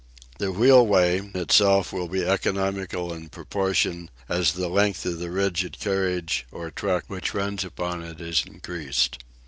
The "wheelway" itself will be economical in proportion as the length of the rigid carriage or truck which runs upon it is increased.